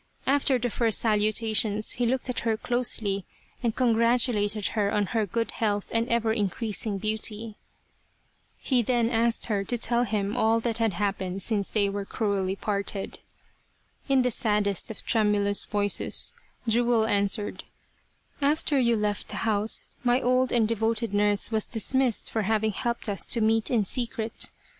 After the first salutations he looked at her closely and congratulated her on her good health and ever increasing beauty. He then asked her to tell him all that had happened since they were cruelly parted. In the saddest of tremulous voices Jewel an swered :" After you left the house my old and devoted nurse was dismissed for having helped us to meet in secret.